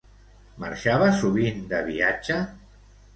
Marxava sovint de viatge?